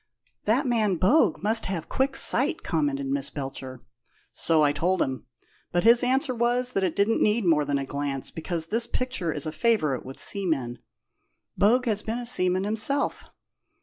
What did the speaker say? "The man Bogue must have quick sight," commented Miss Belcher. "So I told him, but his answer was that it didn't need more than a glance, because this picture is a favourite with seamen. Bogue has been a seaman himself."